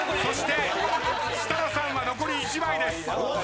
そして設楽さんは残り１枚です。